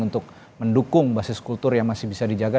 untuk mendukung basis kultur yang masih bisa dijaga